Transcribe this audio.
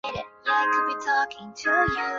紫蕊蚤缀